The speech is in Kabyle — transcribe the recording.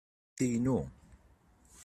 Ti inu.